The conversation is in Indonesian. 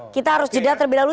kita harus jeda terlebih dahulu